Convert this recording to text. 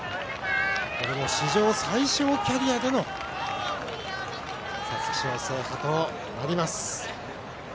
これも史上最少キャリアでの皐月賞制覇となります。